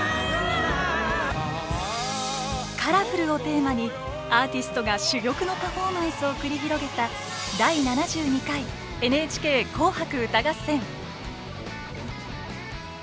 「ＣＯＬＯＲＦＵＬ」をテーマにアーティストが珠玉のパフォーマンスを繰り広げた第７２回「ＮＨＫ紅白歌合戦」。